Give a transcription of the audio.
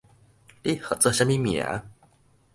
你號做啥物名？